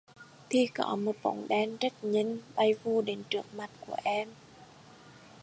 thì có một bóng đen rất nhanh, bay vù đến trước mặt của em